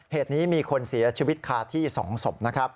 เหตุนี้มีคนเสียชีวิตคาที่สองสม